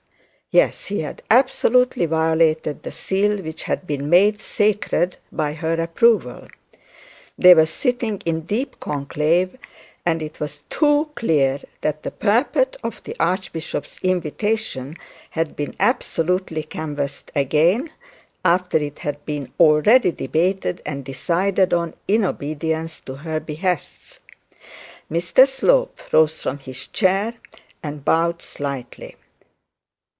Yes, he had absolutely violated the seal which had been made sacred by her approval. They were sitting in deep conclave, and it was too clear that the purport of the archbishop's invitation had been absolutely canvassed again, after it had been already debated and decided on in obedience to her behests! Mr Slope rose from his chair, and bowed slightly.